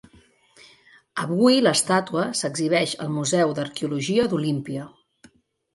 Avui l'estàtua s'exhibeix al Museu d'Arqueologia d'Olímpia.